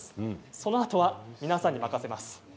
そのあとは皆さんにお任せします。